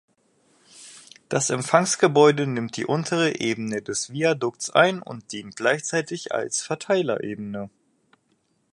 Das Empfangsgebäude nimmt die untere Ebene des Viadukts ein und dient gleichzeitig als Verteilerebene.